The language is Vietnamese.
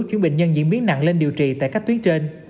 chuyển bệnh nhân diễn biến nặng lên điều trị tại các tuyến trên